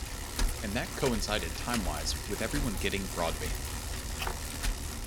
And that coincided time-wise with everyone getting broadband.